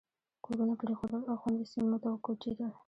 کورونه پرېښودل او خوندي سیمو ته وکوچېدل.